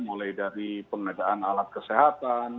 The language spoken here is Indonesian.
mulai dari pengadaan alat kesehatan